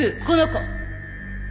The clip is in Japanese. この子。